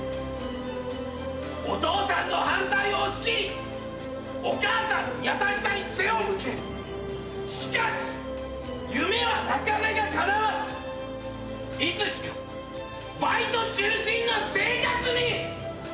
お父さんの反対を押しきりお母さんの優しさに背を向けしかし夢はなかなかかなわずいつしかバイト中心の生活に！